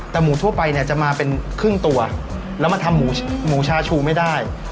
แต่หมูทั่วไปเนี่ยจะมาเป็นครึ่งตัวแล้วมาทำหมูชาชูไม่ได้